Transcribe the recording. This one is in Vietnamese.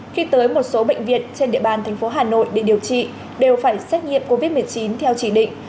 khi tới một số bệnh viện trên địa bàn thành phố hà nội để điều trị đều phải xét nghiệm covid một mươi chín theo chỉ định